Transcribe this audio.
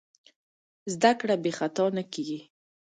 زدهکړه بېخطا نه کېږي.